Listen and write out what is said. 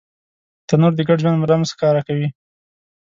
تنور د ګډ ژوند رمز ښکاره کوي